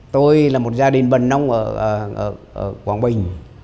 tôi là một gia đình bần nông ở quảng bình